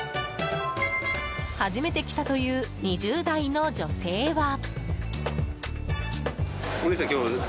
初めて来たという２０代の女性は。